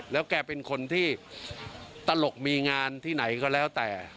แล้วแกเป็นคนที่ตลกมีงานที่ไหนก็แล้วแต่